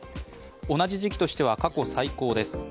同じ時期としては過去最高です。